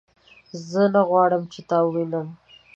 زه نه غواړم چې تا ووینم